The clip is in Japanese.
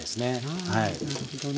あなるほどね。